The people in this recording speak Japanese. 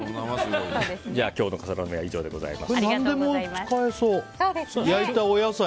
今日の笠原の眼は以上でございます。